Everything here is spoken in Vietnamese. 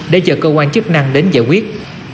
để chờ cơ quan chức năng đến giải quyết